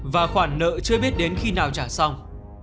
và khoản nợ chưa biết đến khi nào trả xong